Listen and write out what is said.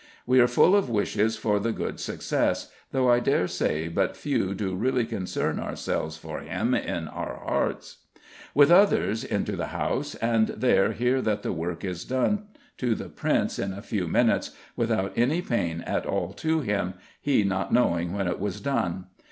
We are full of wishes for the good success, though I dare say but few do really concern ourselves for him in our hearts. With others into the House, and there hear that the work is done to the Prince in a few minutes without any pain at all to him, he not knowing when it was done.